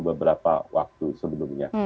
beberapa waktu sebelumnya